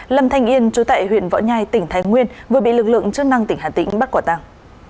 lâm thanh yên chú tại huyện võ nhai tỉnh thái nguyên vừa bị lực lượng chức năng tỉnh hà tĩnh bắt quả tàng